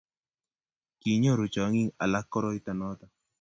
kinyoru chong'ik alak koroito noto